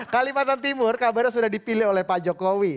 kalimantan timur kabarnya sudah dipilih oleh pak jokowi